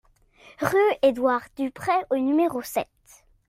Rue Édouard Dupray au numéro sept